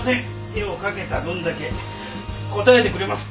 手をかけた分だけ応えてくれます。